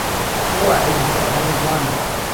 بۆ وا عێجزی ئارامی دڵانه